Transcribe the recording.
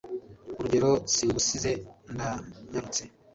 urugero singusize ndanyarutse